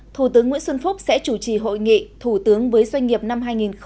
thủ tướng nguyễn xuân phúc sẽ chủ trì hội nghị thủ tướng với doanh nghiệp năm hai nghìn hai mươi